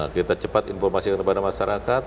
kita cepat informasikan kepada masyarakat